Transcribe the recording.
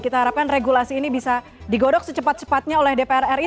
kita harapkan regulasi ini bisa digodok secepat cepatnya oleh dpr ri